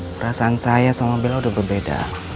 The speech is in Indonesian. perasaan saya sama bella udah berbeda